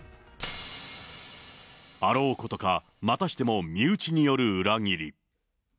あろうことか、またしても身内による裏切り。